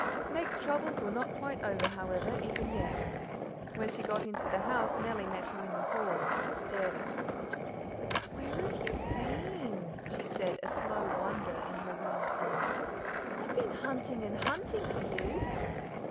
Meg's troubles were not quite over, however, even yet. When she got into the house Nellie met her in the hall and stared at her. "Where have you been?" she said, a slow wonder in her round eyes. "I've been hunting and hunting for you."